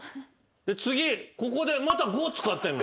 次ここでまた５使って。